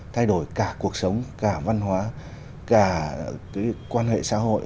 thay đổi cả cuộc sống cả văn hóa cả cái quan hệ xã hội